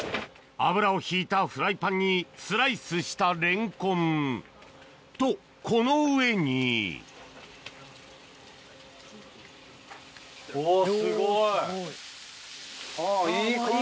油を引いたフライパンにスライスしたレンコンとこの上にほら。